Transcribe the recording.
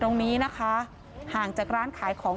โชว์บ้านในพื้นที่เขารู้สึกยังไงกับเรื่องที่เกิดขึ้น